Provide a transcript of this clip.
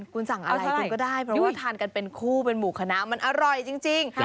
คุณสั่งอะไรคุณก็ได้เพราะว่าทานกันเป็นคู่เป็นหมู่คณะมันอร่อยจริง